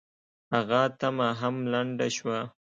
هغه تمه هم لنډه شوه.